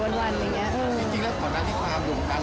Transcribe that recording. จริงแล้วตอนนั้นที่ความดูดตังค์หรือกระแสความดูดตังค์